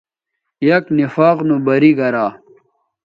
یک نفاق نو بری گرا